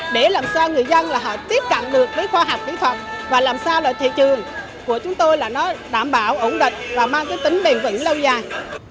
để làm sao người dân tiếp cận được với khoa học kỹ thuật và làm sao thị trường của chúng tôi đảm bảo ổn định và mang tính bền vững lâu dài